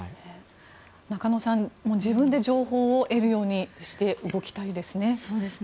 中野さん自分で情報を得るようにして動きたいですね。